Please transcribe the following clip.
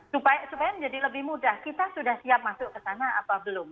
supaya menjadi lebih mudah kita sudah siap masuk ke sana apa belum